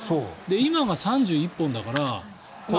今が３１本だから。